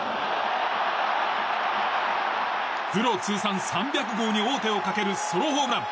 プロ通算３００号に王手をかけるソロホームラン。